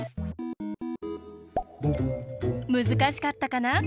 むずかしかったかな？